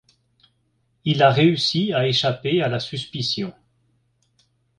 Il a réussi à échapper à la suspicion.